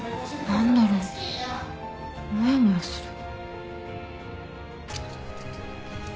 何だろうもやもやする。